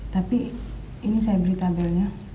tapi ini saya beri tabelnya